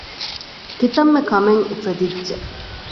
ކިތަންމެ ކަމެއް އުފެދިއްޖެ